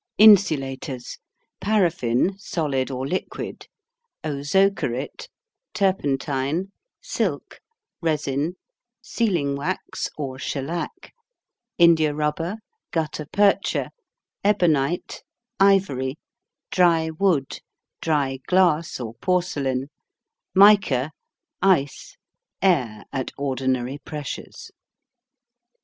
INSULATORS. Paraffin (solid or liquid), ozokerit, turpentine, silk, resin, sealing wax or shellac, india rubber, gutta percha, ebonite, ivory, dry wood, dry glass or porcelain, mica, ice, air at ordinary pressures.